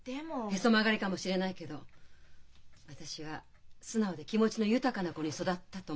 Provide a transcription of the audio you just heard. ヘソ曲がりかもしれないけど私は素直で気持ちの豊かな子に育ったと思ってるの。